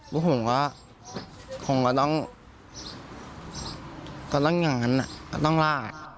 เพราะผมว่าผมก็ต้องก็ต้องอย่างงั้นนะก็ต้องละ